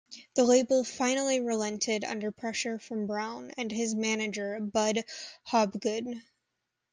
The label finally relented under pressure from Brown and his manager Bud Hobgood.